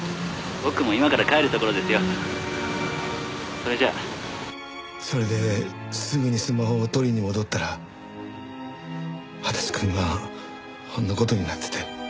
「僕も今から帰るところですよ。それじゃあ」それですぐにスマホを取りに戻ったら足立くんがあんな事になってて。